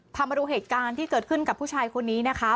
พามาดูเหตุการณ์ที่เกิดขึ้นกับผู้ชายคนนี้นะคะ